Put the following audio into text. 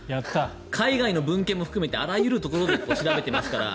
海外の文献も含めてあらゆるところで調べてますから。